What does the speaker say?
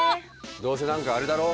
どうせ何かあれだろ。